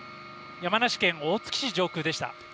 山梨県大月市上空でした。